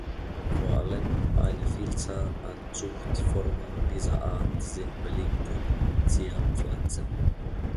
Vor allem eine Vielzahl an Zuchtformen dieser Art sind beliebte Zierpflanzen.